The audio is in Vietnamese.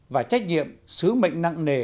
và trách nhiệm sứ mệnh nặng nề